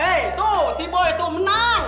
eh tuh si boy tuh menang